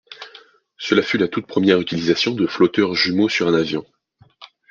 Cela fut la toute première utilisation de flotteurs jumeaux sur un avion.